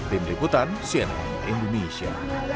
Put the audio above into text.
tim liputan cnn indonesia